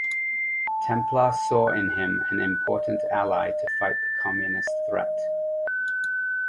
Templar saw in him an important ally to fight the communist threat.